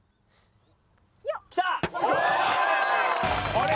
あれ？